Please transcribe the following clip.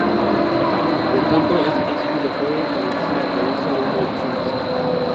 Por tanto, este principio de Fourier garantiza la coherencia de una ecuación física.